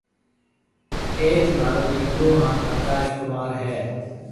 اَئيج مهارو ڏيڪرو هانَ آڪاش ڪمار هيَ۔